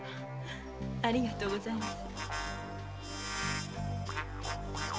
ありがとうございます。